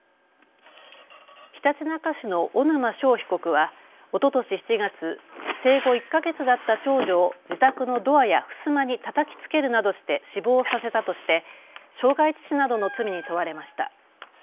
ひたちなか市の小沼勝被告はおととし７月、生後１か月だった長女を自宅のドアやふすまにたたきつけるなどして死亡させたとして傷害致死などの罪に問われました。